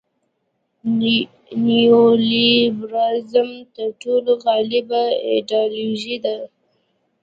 نیولیبرالیزم تر ټولو غالبه ایډیالوژي ده.